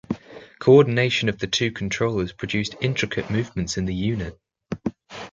Coordination of the two controllers produced intricate movements in the unit.